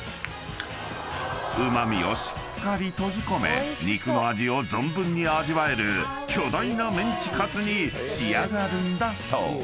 ［うま味をしっかり閉じ込め肉の味を存分に味わえる巨大なメンチカツに仕上がるんだそう］